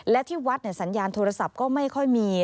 และที่วัดสัญญาณโทรศัพท์ก็ไม่ค่อยมี